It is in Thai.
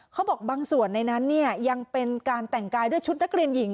เขาบอกบางส่วนในนั้นเนี่ยยังเป็นการแต่งกายด้วยชุดนักเรียนหญิง